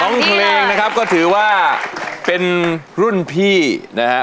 เพลงนะครับก็ถือว่าเป็นรุ่นพี่นะฮะ